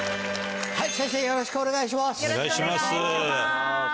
はい先生よろしくお願いします。